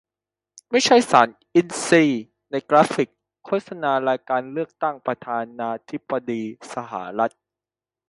ไม่ใช่ สาร"อินทรีย์" - ในกราฟิกโฆษณารายการเลือกตั้งประธานาธิบดีสหรัฐ